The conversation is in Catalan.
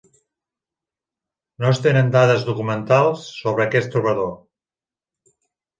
No es tenen dades documentals sobre aquest trobador.